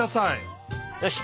よし！